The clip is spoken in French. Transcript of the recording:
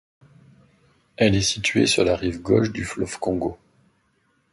Elle est située sur la rive gauche du fleuve Congo.